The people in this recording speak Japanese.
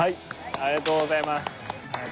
ありがとうございます。